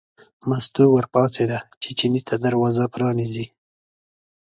مستو ور پاڅېده چې چیني ته دروازه پرانیزي.